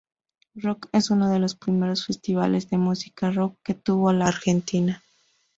Rock es uno de los primeros festivales de música rock que tuvo la Argentina.